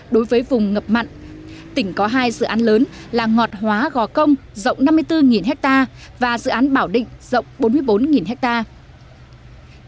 đối với vùng ngập mặn tỉnh có hai dự án lớn là ngọt hóa gò công rộng năm mươi bốn hectare và dự án bảo định rộng bốn mươi bốn hectare